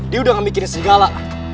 dia udah gak mikirin segala